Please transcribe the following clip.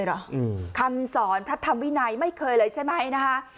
เลยหรออืมคำสอนพระธรรมวินายไม่เคยเลยใช่ไหมนะคะ